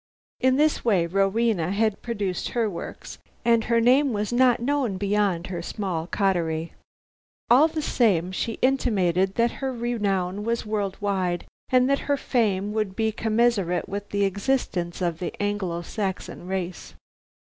In this way "Rowena" had produced her works, and her name was not known beyond her small coterie. All the same, she intimated that her renown was world wide and that her fame would be commensurate with the existence of the Anglo Saxon race.